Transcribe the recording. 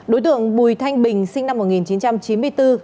đối tượng bùi thanh bình sinh năm một nghìn chín trăm chín mươi bốn